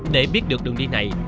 để biết được đường đi này